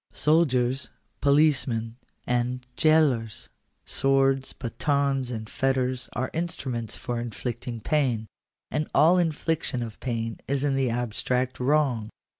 Soldiers, policemen, and gaolers ; swords, batons, and fetters, are instru ments for inflicting pain ; and all infliction of pain is in the abstract wrong.